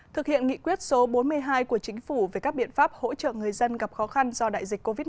thực hiện nghị quyết số bốn mươi hai của chính phủ về các biện pháp hỗ trợ người dân gặp khó khăn do đại dịch covid một mươi